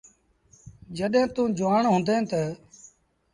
جڏهيݩٚ توٚنٚ جُوآڻ هُنٚدي تا